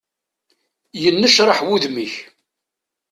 Yennecraḥ wudem-ik.